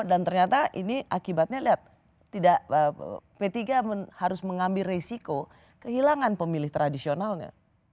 dan ternyata ini akibatnya lihat tidak p tiga harus mengambil resiko kehilangan pemilih tradisionalnya